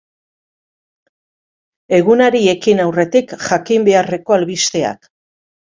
Egunari ekin aurretik jakin beharreko albisteak.